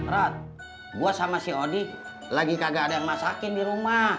rat gue sama si odi lagi kagak ada yang masakin di rumah